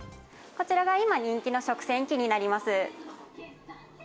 こちらが今人気の食洗器になります。